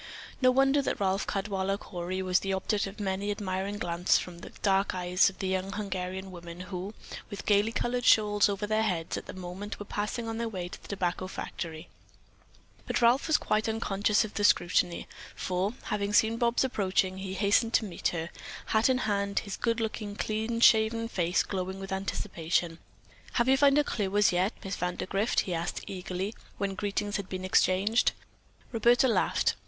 No wonder that Ralph Caldwaller Cory was the object of many an admiring glance from the dark eyes of the young Hungarian women who, with gayly colored shawls over their heads, at that moment were passing on their way to the tobacco factory; but Ralph was quite unconscious of their scrutiny, for, having seen Bobs approaching, he hastened to meet her, hat in hand, his good looking, clean shaven face glowing with anticipation. "Have you found a clue as yet, Miss Vandergrift?" he asked eagerly, when greetings had been exchanged. Roberta laughed.